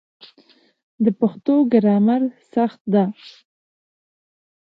د پښتو ګرامر سخت ده